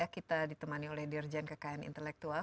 kita ditemani oleh dirjen kekayaan intelektual